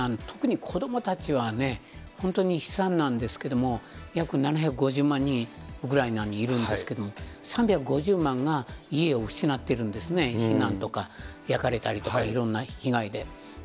特に子どもたちはね、本当に、悲惨なんですけれども、約７５０万人、ウクライナにいるんですけれども、３５０万が家を失っているんですね、避難とか焼かれたりとか、いろんな被害で。